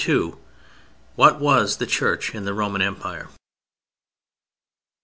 II WHAT WAS THE CHURCH IN THE ROMAN EMPIRE?